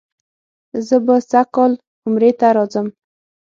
زه به سږ کال عمرې ته راځم.